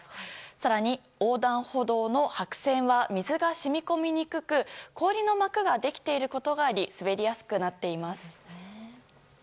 更に横断歩道の白線は水が染み込みにくく氷の膜ができていることがあり滑りやすくなっています。